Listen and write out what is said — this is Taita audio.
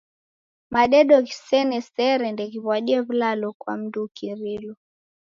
Madedo ghisene sere ndeghiw'adie w'ulalo kwa mndu ukirilo.